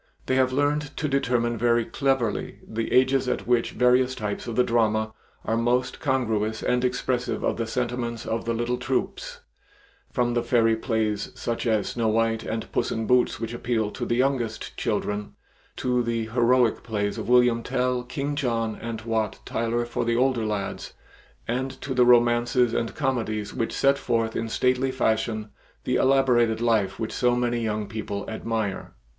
They have learned to determine very cleverly the ages at which various types of the drama are most congruous and expressive of the sentiments of the little troupes, from the fairy plays such as "Snow White" and "Puss in Boots" which appeal to the youngest children, to the heroic plays of "William Tell," "King John," and "Wat Tyler" for the older lads, and to the romances and comedies which set forth in stately fashion the elaborated life which so many young people admire.